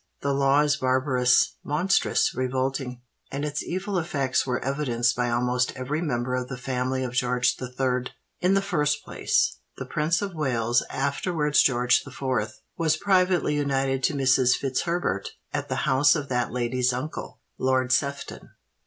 "The law is barbarous—monstrous—revolting; and its evil effects were evidenced by almost every member of the family of George the Third. In the first place, the Prince of Wales (afterwards George the Fourth) was privately united to Mrs. Fitzherbert, at the house of that lady's uncle, Lord Sefton.